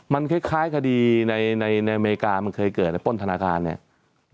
มันคล้ายคดีในอเมริกามันเคยเกิดในป้นธนาคารเนี่ย